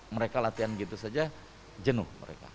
mereka latihan gitu saja jenuh mereka